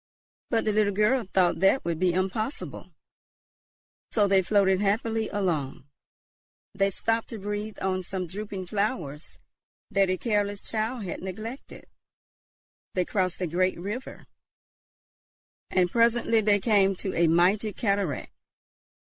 But the little girl thought that would be impossible. So they floated happily along. They stopped to breathe on some drooping flowers that a careless child had neglected. They crossed a great river, and presently they came to a mighty cataract.